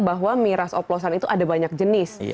bahwa miras oplosan itu ada banyak jenis